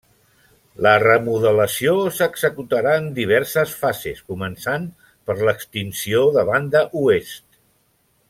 La remodelació s'executarà en diverses fases, començant per l'extinció de banda oest.